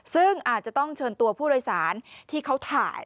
ซึ่งอาจจะต้องเชิญตัวผู้โดยสารที่เขาถ่าย